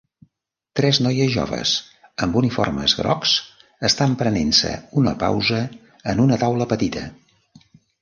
Tres noies joves amb uniformes grocs estan prenent-se una pausa en una taula petita.